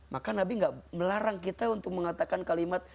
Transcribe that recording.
maka nabi gak melarang kita untuk mengatakan kalimat